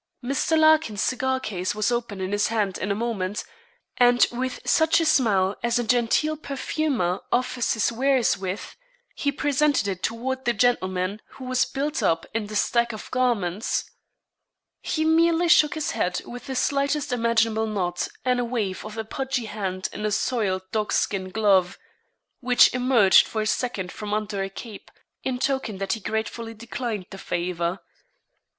Mr. Larkin's cigar case was open in his hand in a moment, and with such a smile as a genteel perfumer offers his wares with, he presented it toward the gentleman who was built up in the stack of garments. He merely shook his head with the slightest imaginable nod and a wave of a pudgy hand in a soiled dog skin glove, which emerged for a second from under a cape, in token that he gratefully declined the favour.